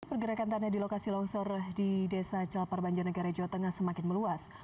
pergerakan tanah di lokasi longsor di desa celapar banjarnegara jawa tengah semakin meluas